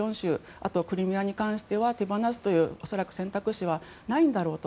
あと、クリミアに関しては手放すという選択肢は恐らくないんだろうと。